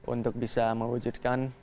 untuk bisa mewujudkan